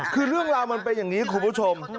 คือเรื่องราวมันเป็นอย่างนี้คุณผู้ชม